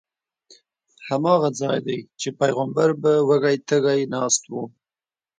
هماغه ځای دی چې پیغمبر به وږی تږی ناست و.